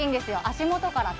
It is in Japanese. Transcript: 足元から